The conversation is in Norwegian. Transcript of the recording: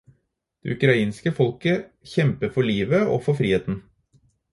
Det ukrainske folket kjemper for livet og for friheten.